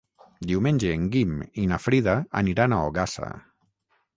Diumenge en Guim i na Frida aniran a Ogassa.